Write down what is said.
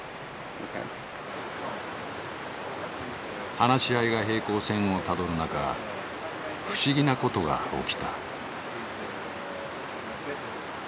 話し合いが平行線をたどる中不思議な事が起きた。